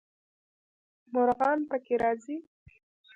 مرغان پکې راځي.